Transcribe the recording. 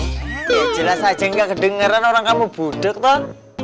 ya jelas aja nggak kedengeran orang kamu budek toh